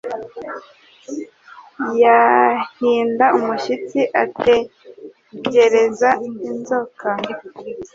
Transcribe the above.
Yahinda umushyitsi atekereza inzoka.